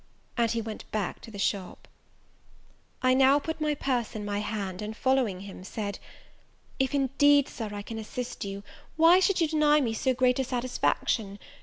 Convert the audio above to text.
and he went back to the shop. I now put my purse in my hand, and following him, said, "If, indeed, Sir, I can assist you, why should you deny me so great a satisfaction?